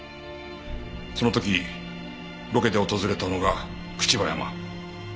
その時ロケで訪れたのが朽葉山。